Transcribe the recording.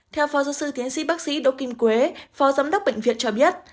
theo phó giáo sư tiến sĩ bác sĩ đỗ kim quế phó giám đốc bệnh viện cho biết